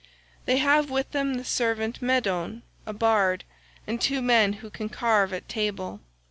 They have with them a servant Medon, a bard, and two men who can carve at table.